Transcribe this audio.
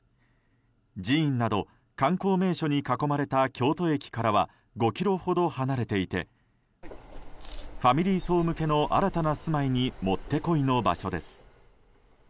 寺院など観光名所に囲まれた京都駅からは５ｋｍほど離れていてファミリー層向けの新たな住まいにもってこいの場所です。